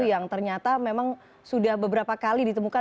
yang ternyata memang sudah beberapa kali ditemukan